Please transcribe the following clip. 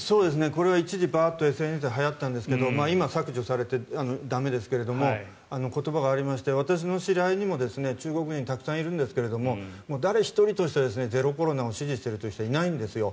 これは一時、バーッとＳＮＳではやったんですが今は削除されて駄目ですけど言葉がありまして私の知り合いにも中国人たくさんいるんですが誰一人としてゼロコロナを支持しているという人はいないんですよ。